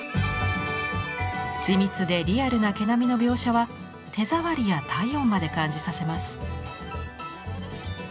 緻密でリアルな毛並みの描写は手触りや体温まで感じさせます。